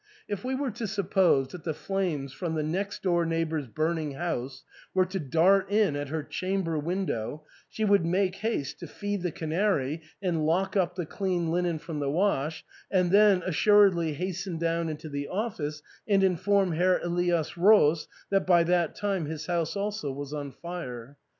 If we were to suppose that the flames from the next door neighbour's burning house were to dart in at her chamber window, she would make haste to feed the canary and lock up the clean linen from the wash, and then assuredly hasten down into the office and inform Herr Elias Roos that by that time his house also was on fire.